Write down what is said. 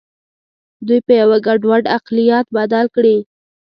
دوی په یوه ګډوډ اقلیت بدل کړي.